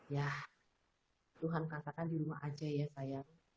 ya tuhan katakan di rumah aja ya saya